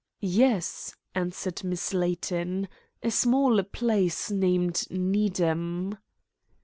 "Yes," answered Miss Layton, "a small place named Needham."